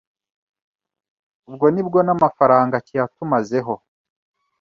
ubwo ni ko n’amafaranga kiyatumazeho